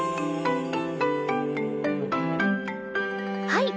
はい。